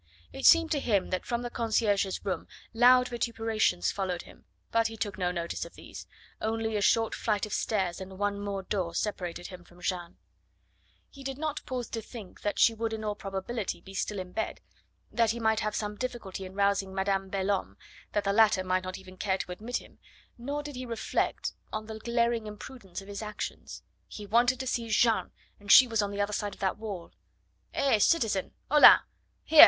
It seemed to him that from the concierge's room loud vituperations followed him, but he took no notice of these; only a short flight of stairs and one more door separated him from Jeanne. He did not pause to think that she would in all probability be still in bed, that he might have some difficulty in rousing Madame Belhomme, that the latter might not even care to admit him; nor did he reflect on the glaring imprudence of his actions. He wanted to see Jeanne, and she was the other side of that wall. "He, citizen! Hola! Here!